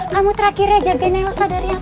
kamu terakhirnya jagain nelsa dari atas